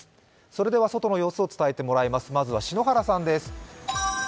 それでは外の様子を伝えてもらいます、まずは篠原さんです。